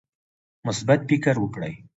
مثبت فکر وکړئ